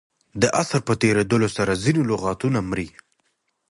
د عصر په تېرېدلو سره ځیني لغتونه مري.